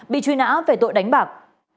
bị truy nã về tội đánh bạc